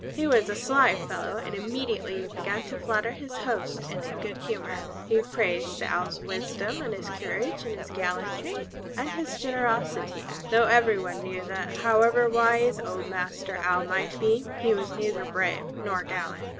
He was a sly fellow, and immediately began to flatter his host into good humor. He praised the Owl's wisdom and his courage, his gallantry and his generosity; though every one knew that however wise old Master Owl might be, he was neither brave nor gallant.